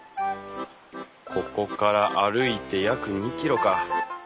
ここから歩いて約２キロか。